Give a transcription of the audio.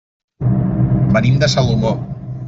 Venim de Salomó.